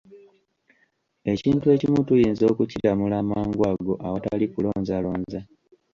Ekintu ekimu tuyinza okukiramula amangu ago awatali kulonzalonza.